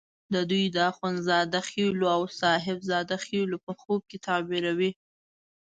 دوی د اخند زاده خېلو او صاحب زاده خېلو په خوب کې تعبیروي.